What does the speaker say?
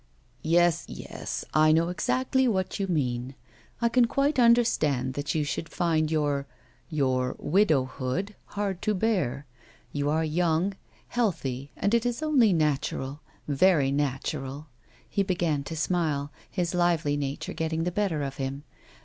" Yes, yes, I know exactly what you mean. I can quite understand that you should find your — your widowhood hard to bear. You are young, healthy, and it is only natm al ; very natural." He began to smile, his lively nature getting the better of him.